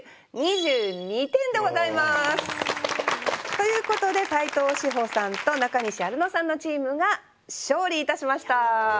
ということで斉藤志歩さんと中西アルノさんのチームが勝利いたしました。